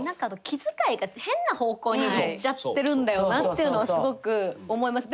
気遣いが変な方向にいっちゃってるんだよなっていうのはすごく思います。